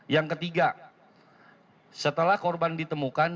yang ketiga setelah korban ditemukan